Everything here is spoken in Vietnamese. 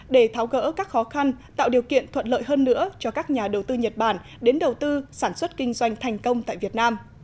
để tháo gỡ các khó khăn tạo điều kiện thuận lợi hơn nữa cho các nhà đầu tư nhật bản đến đầu tư sản xuất kinh doanh thành công tại việt nam